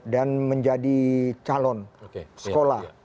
dan menjadi calon sekolah